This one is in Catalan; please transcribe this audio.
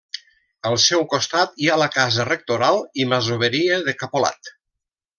Al seu costat hi ha la casa rectoral i masoveria de Capolat.